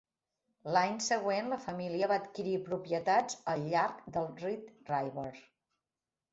L'any següent, la família va adquirir propietats al llarg del Red River.